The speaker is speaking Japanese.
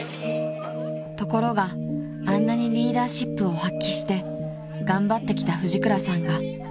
［ところがあんなにリーダーシップを発揮して頑張ってきた藤倉さんがまさかの］